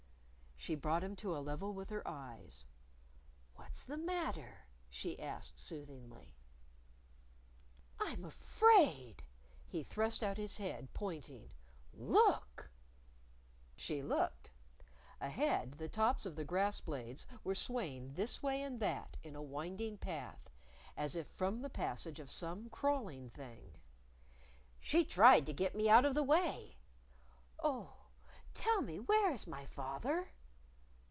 She brought him to a level with her eyes. "What's the matter?" she asked soothingly. "I'm afraid." He thrust out his head, pointing. "Look." She looked. Ahead the tops of the grass blades were swaying this way and that in a winding path as if from the passage of some crawling thing! "She tried to get me out of the way!" "Oh, tell me where is my fath er!"